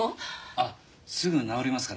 あっすぐ治りますから。